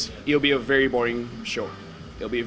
itu akan menjadi persembahan yang sangat membosankan